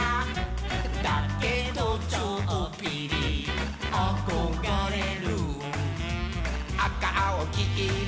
「だけどちょっぴりあこがれる」「あかあおきいろ」